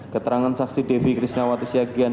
keterangan saksi devi krishnawati syagian